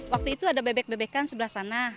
waktu itu ada bebek bebekan sebelah sana